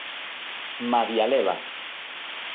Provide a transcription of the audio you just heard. _¡Madia leva!